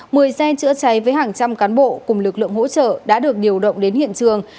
mười xe chữa cháy với hàng trăm cán bộ cùng lực lượng hỗ trợ đã được điều động đến hiện trường